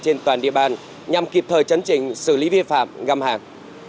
trên toàn địa bàn nhằm kịp thời chấn trình xử lý vi phạm găm hàng